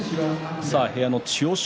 部屋の千代翔